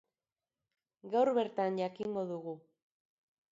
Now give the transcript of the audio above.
Gaur bertan jakingo dugu.